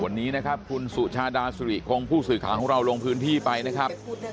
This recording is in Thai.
วันนี้นะครับคุณสุชาดาสุริคงผู้สื่อข่าวของเราลงพื้นที่ไปนะครับ